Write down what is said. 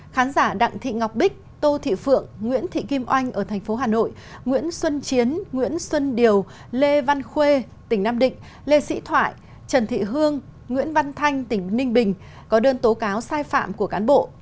khán giả đặng thị ngọc bích tô thị phượng nguyễn thị kim oanh ở thành phố hà nội nguyễn xuân chiến nguyễn xuân điều lê văn khuê tỉnh nam định lê sĩ thoại trần thị hương nguyễn văn thanh tỉnh ninh bình có đơn tố cáo sai phạm của cán bộ